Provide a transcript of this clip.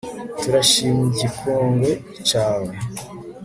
turashimy'ikigongwe cawe